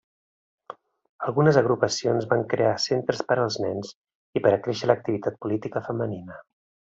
Algunes agrupacions van crear centres per als nens i per acréixer l'activitat política femenina.